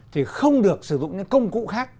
thì không được sử dụng những công cụ khác